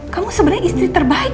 kamu sebenernya istri terbaik